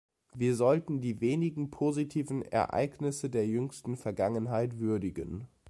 Wir sollten die wenigen positiven Ereignisse der jüngsten Vergangenheit würdigen.